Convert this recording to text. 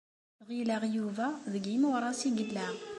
Ɣileɣ Yuba deg yimuras ay yella.